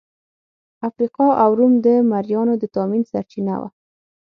افریقا او روم د مریانو د تامین سرچینه وه.